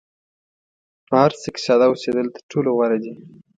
په هر څه کې ساده اوسېدل تر ټولو غوره دي.